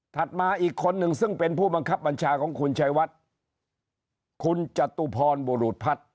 มาอีกคนนึงซึ่งเป็นผู้บังคับบัญชาของคุณชายวัดคุณจตุพรบุรุษพัฒน์